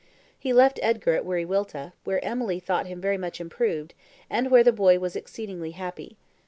He left Edgar at Wiriwilta, where Emily thought him very much improved, and where the boy was exceedingly happy.